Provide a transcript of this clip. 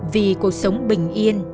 vì cuộc sống bình yên